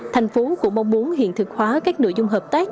thành phố cũng mong muốn hiện thực hóa các nội dung hợp tác